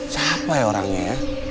siapa ya orangnya ya